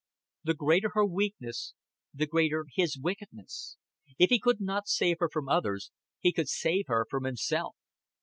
The greater her weakness, the greater his wickedness. If he could not save her from others, he could save her from himself.